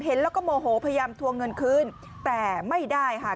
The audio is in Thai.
เห็นแล้วก็โมโหพยายามทวงเงินคืนแต่ไม่ได้ค่ะ